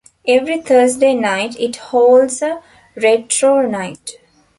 Every Thursday night, it holds a retro night.